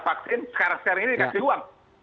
vaksin sekarang sekarang ini dikasih uang